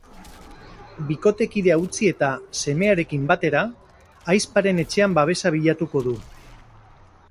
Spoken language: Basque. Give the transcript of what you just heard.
Bikotekidea utzi eta, semearekin batera, ahizparen etxean babesa bilatuko du.